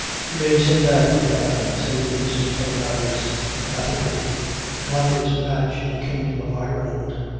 "You may say that, me man," said Mr. Polymathers, emphatically. "Not its match in the kingdom of Ireland.